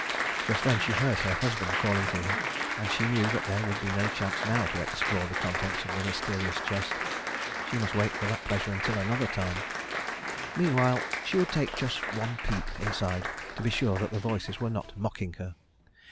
Just then she heard her husband calling to her, and she knew that there would be no chance now to explore the contents of the mysterious chest. She must wait for that pleasure until another time; meanwhile she would take just one peep inside to be sure that the voices were not mocking her.